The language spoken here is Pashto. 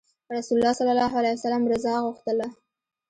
رسول الله ﷺ الله رضا غوښتله.